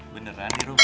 beneran ya rum